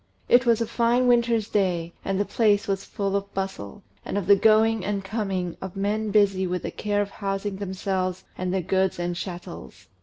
It was a fine winter's day, and the place was full of bustle, and of the going and coming of men busy with the care of housing themselves and their goods and chattels.